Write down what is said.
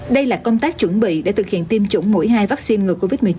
đây là công tác chuẩn bị để thực hiện tiêm chủng mũi hai vaccine ngừa covid một mươi chín